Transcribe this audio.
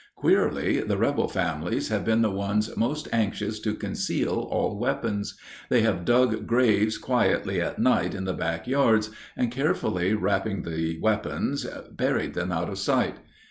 Queerly, the rebel families have been the ones most anxious to conceal all weapons. They have dug graves quietly at night in the back yards, and carefully wrapping the weapons, buried them out of sight.